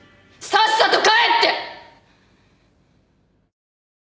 さっさと帰って！